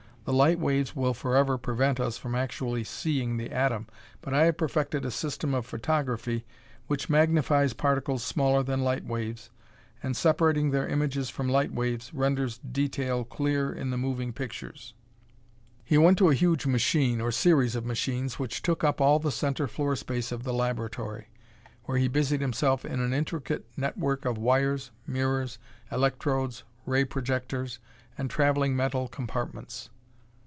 The light waves will forever prevent us from actually seeing the atom. But I have perfected a system of photography which magnifies particles smaller than light waves, and, separating their images from the light waves, renders detail clear in the moving pictures." He went to a huge machine or series of machines which took up all the center floor space of the laboratory, where he busied himself in an intricate network of wires, mirrors, electrodes, ray projectors, and traveling metal compartments.